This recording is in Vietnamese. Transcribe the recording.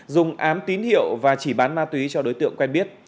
dùng ám tín hiệu và chỉ bán ma túy cho đối tượng quen biết